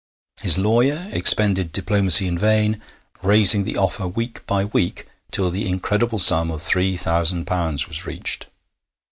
His lawyer expended diplomacy in vain, raising the offer week by week till the incredible sum of three thousand pounds was reached.